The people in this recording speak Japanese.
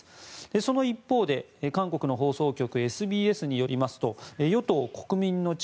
その一方で韓国の放送局ＳＢＳによりますと与党・国民の力